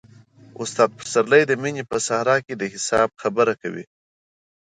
استاد پسرلی د مینې په صحرا کې د حساب خبره کوي.